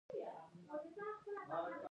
ارزګان ولې غرنی ولایت دی؟